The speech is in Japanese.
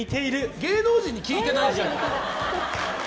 芸能人に聞いてないでしょ！